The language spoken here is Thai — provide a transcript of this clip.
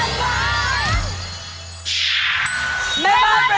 ไอล์โหลดแล้วคุณหลานโหลดหรือยัง